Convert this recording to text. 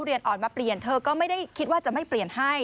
เรียนอ่อนมาเปลี่ยนเธอก็ไม่ได้คิดว่าจะไม่เปลี่ยนให้